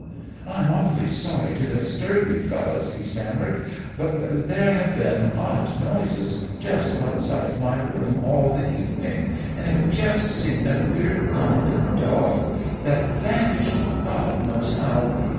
"'I'm awfully sorry to disturb you fellows,' he stammered, 'but there have been odd noises just outside my room all the evening, and I've just seen a queer kind of dog, that vanished, God knows how.